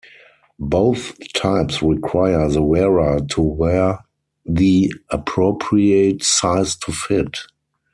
Both types require the wearer to wear the appropriate size to fit.